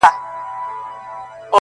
که څه هم بېګناه خلک ورڅخه زیانمن سي